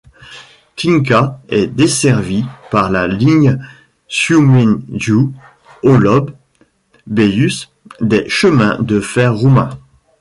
Tinca est desservie par la ligne Ciumeghiu-Holod-Beiuș des Chemins de fer roumains.